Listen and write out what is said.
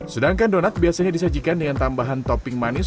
sedangkan donat biasanya disajikan dengan tambahan topping manis